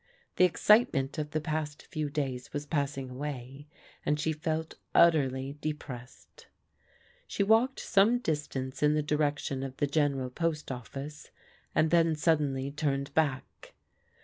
The excitement of the past few days was passing away, and she felt utterly depressed. She walked some distance in the direction of the Gen eral Post Office, and then suddenly turned back.